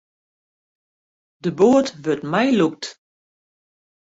De boat wurdt meilûkt.